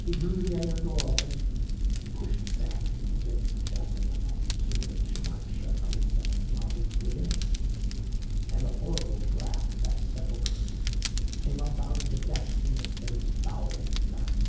He drew the iron door open and pushed it back against the chapel wall, so that it should not shut of itself, while he was within; and the horrible draught of the sepulchre came up out of the depths in his face, foul and dark.